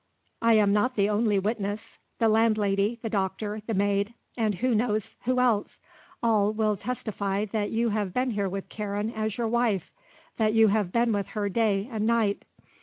I am not the only witness; the landlady, the doctor, the maid, and who knows who else, all will testify that you have been here with Karen as your wife, that you have been with her day and night.